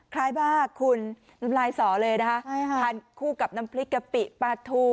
ใครบ้างคุณลำไลส์สอเลยนะครับทานคู่กับน้ำพริกกะปิปลาธู